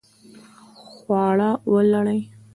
خواړه ولړئ